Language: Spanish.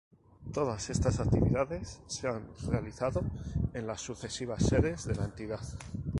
Todas estas actividades se han realizado en las sucesivas sedes de la entidad.